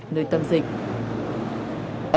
nơi tâm dịch